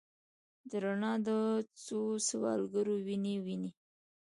د رڼا د څوسوالګرو، وینې، وینې